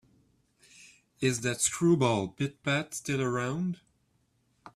Is that screwball Pit-Pat still around?